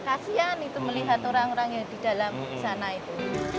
kasian itu melihat orang orang yang di dalam sana itu